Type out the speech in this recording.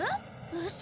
ウソ！？